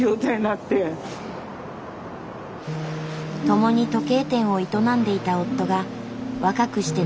共に時計店を営んでいた夫が若くして亡くなった。